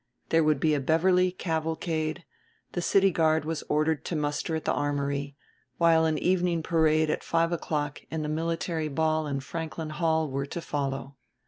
There would be a Beverly cavalcade, the city guard was ordered to muster at the armory; while an evening parade at five o'clock and the military ball in Franklin Hall were to follow.